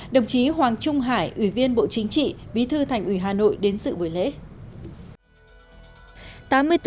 đồng chí hoàng trung hải ủy viên bộ chính trị bí thư thành ủy hà nội đến sự buổi lễ